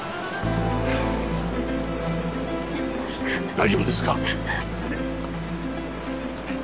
大丈夫ですか？